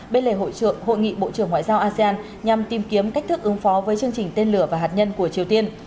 bên lề hội trưởng hội nghị bộ trưởng ngoại giao asean nhằm tìm kiếm cách thức ứng phó với chương trình tên lửa và hạt nhân của triều tiên